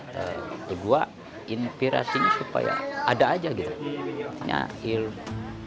kedua inspirasinya supaya ada aja gitu punya ilmu